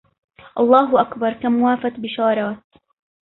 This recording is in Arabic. الله أكبر كم وافت بشارات